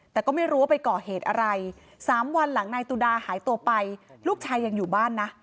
แต่ก็ไม่รู้ว่าไปก่อเหตุอะไร๓วันหลังนายตุดาหายตัวไปลูกชายยังอยู่บ้านนะ